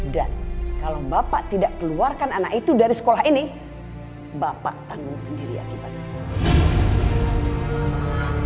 dan kalau bapak tidak keluarkan anak itu dari sekolah ini bapak tanggung sendiri akibatnya